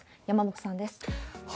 山本さんです。